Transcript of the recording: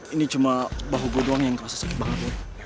ini cuma bahu gue doang yang terasa sakit banget wil